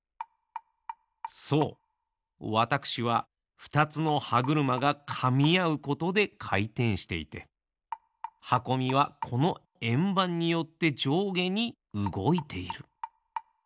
そうわたくしはふたつのはぐるまがかみあうことでかいてんしていてはこみはこのえんばんによってじょうげにうごいている。